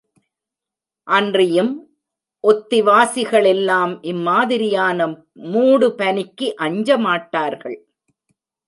அன்றியும் ஒத்திவாசிகளெல்லாம், இம்மாதிரியான மூடு பனிக்கு அஞ்சமாட்டார்கள்!